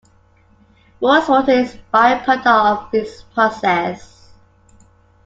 Rose water is a by-product of this process.